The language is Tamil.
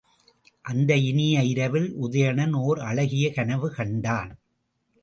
அந்த இனிய இரவில் உதயணன் ஓர் அழகிய கனவு கண்டான்.